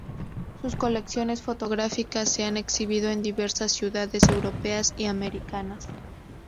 Sus colecciones fotográficas se han exhibido en diversas ciudades europeas y americanas.